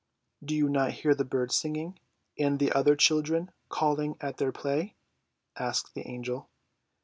"Do you not hear the birds singing, and the other children calling at their play?" asked the Angel.